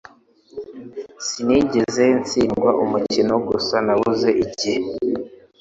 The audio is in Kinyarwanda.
Sinigeze ntsindwa umukino. Gusa nabuze igihe. ”